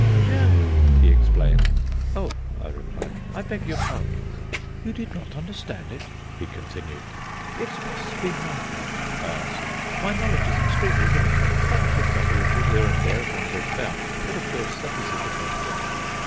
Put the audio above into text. "German," he explained. "Oh," I replied, "I beg your pardon." "You did not understand it?" he continued. "It must have been my fault," I answered; "my knowledge is extremely limited. One picks up a little here and there as one goes about, but of course that is a different thing."